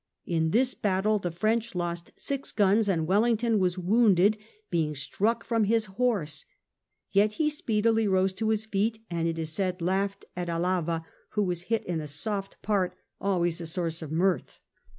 In this battle the French lost six guns, and Wellington was wounded, being struck from his horse ; yet he speedily rose to his feet, and, it is said, laughed at Alava, who was hit in a soft part, always a source of mirth.